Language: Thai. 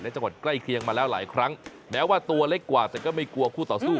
และจังหวัดใกล้เคียงมาแล้วหลายครั้งแม้ว่าตัวเล็กกว่าแต่ก็ไม่กลัวคู่ต่อสู้